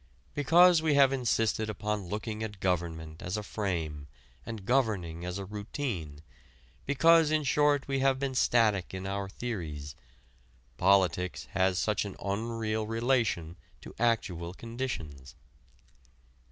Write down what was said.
Because we have insisted upon looking at government as a frame and governing as a routine, because in short we have been static in our theories, politics has such an unreal relation to actual conditions.